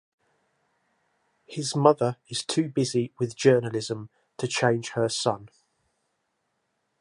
His mother is too busy with journalism to change her son.